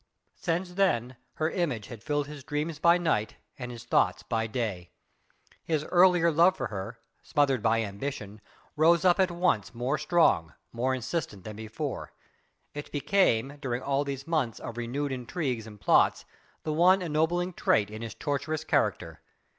Since then her image had filled his dreams by night and his thoughts by day. His earlier love for her, smothered by ambition, rose up at once more strong, more insistent than before; it became during all these months of renewed intrigues and plots the one ennobling trait in his tortuous character.